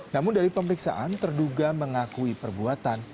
namun dari pemeriksaan terduga mengakui perbuatan